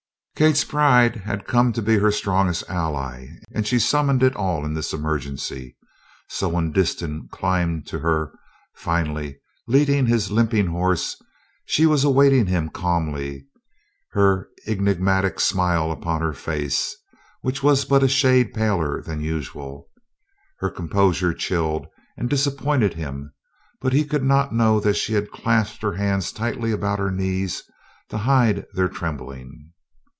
Kate's pride had come to be her strongest ally and she summoned it all in this emergency, so when Disston climbed to her, finally, leading his limping horse, she was awaiting him calmly, her enigmatic smile upon her face, which was but a shade paler than usual. Her composure chilled and disappointed him; he could not know that she had clasped her hands tightly about her knee to hide their trembling.